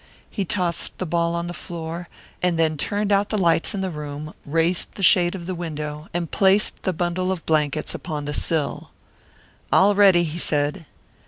He tossed the ball on the floor, and then turned out the lights in the room, raised the shade of the window, and placed the bundle of blankets upon the sill. "All ready," he said.